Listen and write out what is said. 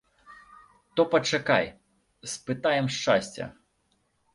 То пачакай, спытаем шчасця!